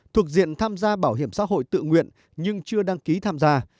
thuộc diện tham gia bảo hiểm xã hội tự nguyện nhưng chưa đăng ký tham gia